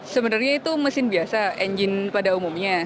sebenarnya itu mesin biasa engine pada umumnya